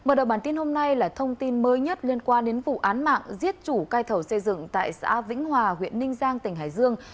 mở đầu bản tin hôm nay là thông tin mới nhất liên quan đến vụ án mạng giết chủ cai thầu xây dựng tại xã vĩnh hòa huyện ninh giang tỉnh hải dương